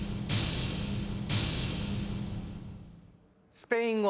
スペイン語。